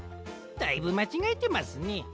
だいぶまちがえてますね。